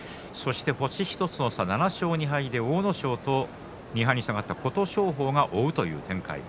星１つの差、７勝２敗で追う阿武咲と２敗に下がった琴勝峰が追うという展開です。